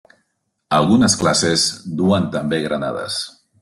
Algunes classes duen també granades.